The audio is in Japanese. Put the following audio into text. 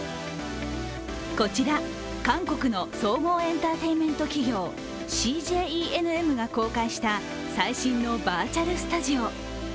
こちら、韓国の総合エンターテインメント企業、ＣＪＥＮＭが公開した最新のバーチャルスタジオ。